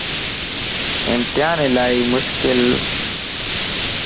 امتيان الائي مشڪلَ